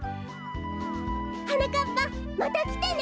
はなかっぱまたきてね！